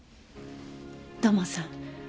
土門さん。